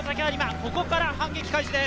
ここから反撃開始です。